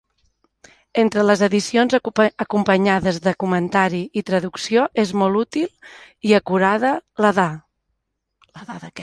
Entre les edicions acompanyades de comentari i traducció és molt útil i acurada la d’A.